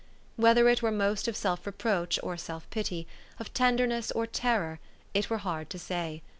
Whether it were most of self reproach or self pity, of tenderness or terror, it were hard to say.